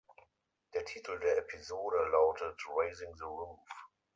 Der Titel der Episode lautete „Raising The Roof“.